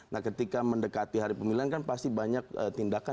nah ketika mendekati hari pemilihan kan pasti banyak tindakan